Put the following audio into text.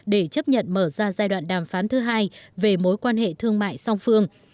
để chấp nhận mở ra giai đoạn đàm phán thứ hai về mối quan hệ thương mại song phương